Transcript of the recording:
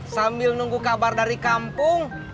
sambil nunggu kabar dari kampung